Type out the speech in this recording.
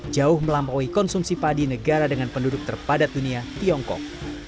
jauh melampaui konsumsi padi negara dengan penduduk terpadat dunia tiongkok